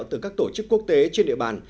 từ các tổ chức quốc tế trên địa bàn